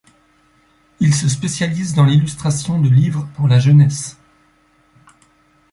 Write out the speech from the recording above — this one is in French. Il se spécialise dans l'illustration de livres pour la jeunesse.